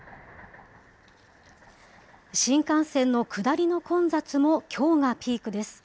新幹線の下りの混雑もきょうがピークです。